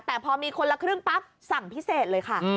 แต่พอมีคนละครึ่งปั๊บสั่งพิเศษเลยค่ะ